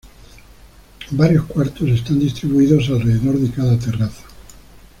Varios cuartos están distribuidos alrededor de cada terraza.